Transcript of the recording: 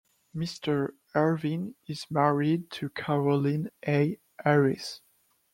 Mr. Ervin is married to Carolyn A. Harris.